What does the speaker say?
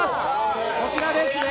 こちらですね。